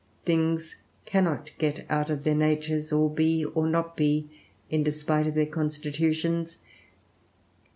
Things cannot get out of their natures, or be, or not be, in despite of their constitutions.